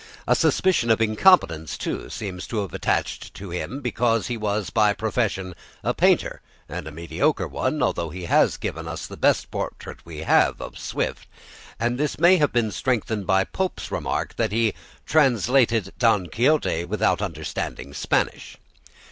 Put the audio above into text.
A suspicion of incompetence, too, seems to have attached to him because he was by profession a painter and a mediocre one (though he has given us the best portrait we have of Swift), and this may have been strengthened by Pope's remark that he "translated 'Don Quixote' without understanding Spanish."